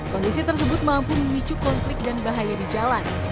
kondisi tersebut mampu memicu konflik dan bahaya di jalan